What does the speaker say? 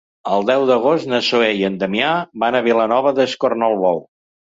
El deu d'agost na Zoè i en Damià van a Vilanova d'Escornalbou.